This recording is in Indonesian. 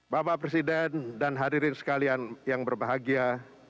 bapak presiden dan hadirin sekalian yang berbahagia